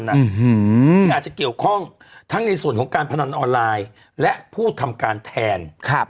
ที่อาจจะเกี่ยวข้องทั้งในส่วนของการพนันออนไลน์และผู้ทำการแทน